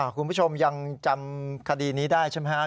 คุณผู้ชมยังจำคดีนี้ได้ใช่ไหมครับ